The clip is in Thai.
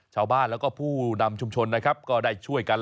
ชาวบ้านและผู้นำชุมชนได้ช่วยกัน